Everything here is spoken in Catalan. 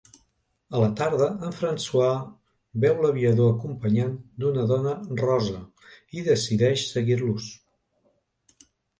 A la tarda en François veu l'aviador acompanyant d'una dona rosa i decideix seguir-los.